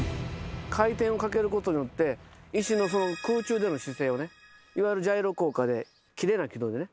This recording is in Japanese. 回転をかけることによって石のその空中での姿勢をねいわゆるジャイロ効果できれいな軌道でね